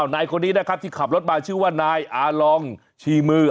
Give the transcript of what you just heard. นายคนนี้นะครับที่ขับรถมาชื่อว่านายอาลองชีมือ